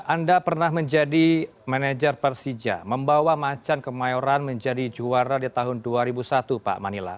anda pernah menjadi manajer persija membawa macan kemayoran menjadi juara di tahun dua ribu satu pak manila